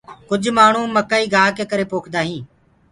ڪُج مآڻو مڪآئي گآه ڪي ڪري پوکدآ هينٚ۔